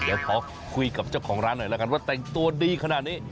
เดี๋ยวขอคุยกับเจ้าของร้านหน่อยแล้วกันว่าแต่งตัวดีขนาดนี้